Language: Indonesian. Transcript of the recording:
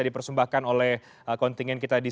dipersembahkan oleh kontingen kita di